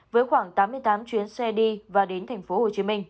với khoảng tám mươi tám chuyến xe đi và đến tp hcm